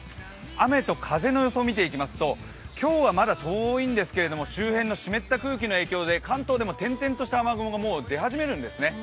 雨と風の予想を見ていきますと今日はまだ遠いんですけれども周辺の湿った空気の影響で、関東でも点々とした雨雲が、もう出始めるんですね。